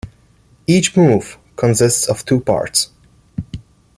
Each move consists of two parts.